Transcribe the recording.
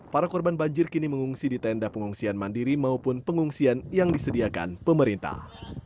para korban banjir kini mengungsi di tenda pengungsian mandiri maupun pengungsian yang disediakan pemerintah